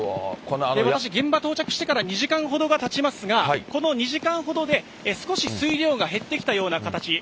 私、現場到着してから２時間ほどがたちますが、この２時間ほどで少し水量が減ってきたような形。